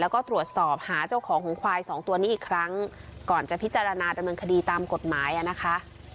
แล้วก็ตรวจสอบหาเจ้าของของควายสองตัวนี้อีกครั้งก่อนจะพิจารณาดำเนินคดีตามกฎหมายอ่ะนะคะ